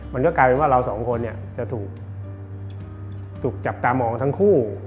มันก็กลายเป็นว่าเราสองคนเนี่ยจะถูกจับตามองทั้งคู่